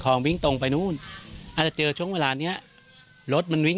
พอวิ่งตรงไปนู่นอาจจะเจอช่วงเวลาเนี้ยรถมันวิ่ง